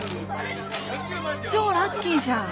超ラッキーじゃん。